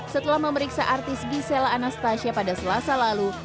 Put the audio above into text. setelah memeriksa artis gisela anastasia pada selasa lalu